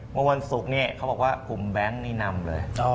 เมื่อวันสุกเขาบอกว่ากลุ่มแบงค์นี่นำเลย